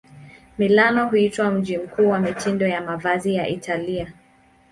Milano huitwa mji mkuu wa mitindo ya mavazi ya Italia.